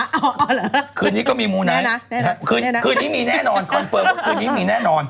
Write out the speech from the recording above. อ๋อเหรอแน่นักคืนนี้มีแน่นอนคอนเฟิร์มว่าคืนนี้มีแน่นอน